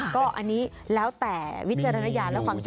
ก็อันนี้แล้วแต่วิจารณญาณและความชอบ